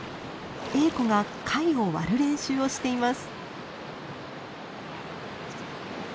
エーコが貝を割る練習をしています。